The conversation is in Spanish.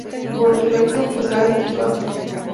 Por defecto, está desactivada.